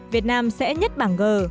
việt nam sẽ nhất bảng g